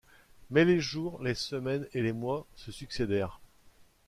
Mais les jours, les semaines et les mois se succédèrent.